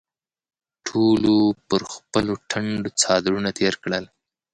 ټولو پر خپلو ټنډو څادرونه تېر کړل.